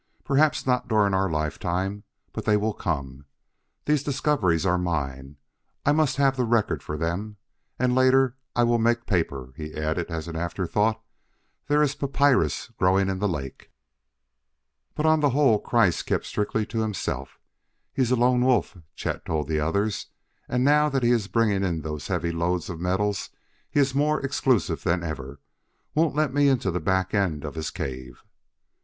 Perhaps not during our lifetime, but they will come. These discoveries are mine; I must have the records for them.... And later I will make paper," he added as an afterthought; "there is papyrus growing in the lake." But on the whole, Kreiss kept strictly to himself. "He's a lone wolf," Chet told the others, "and now that he is bringing in those heavy loads of metals he is more exclusive than ever: won't let me into the back end of his cave."